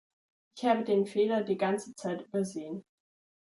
Ich habe den Fehler die ganze Zeit übersehen.